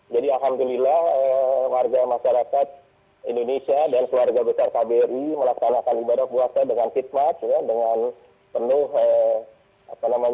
jadi alhamdulillah warga masyarakat indonesia dan keluarga besar kbri melaksanakan ibadah puasa dengan fitmat dengan penuh rasa ingin